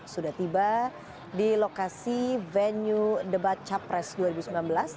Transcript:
sudah tiba di lokasi venue debat capresiden